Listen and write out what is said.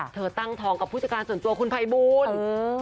เธอตั้งท้องกับผู้จัดการส่วนตัวคุณภัยบูล